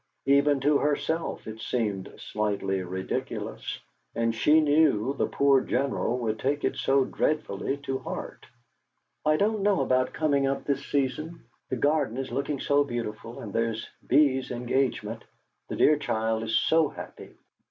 Even to herself it seemed slightly ridiculous, and she knew the poor General would take it so dreadfully to heart. "I don't know about coming up this season. The garden is looking so beautiful, and there's Bee's engagement. The dear child is so happy!"